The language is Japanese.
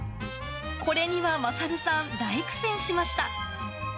これには勝さん、大苦戦しました。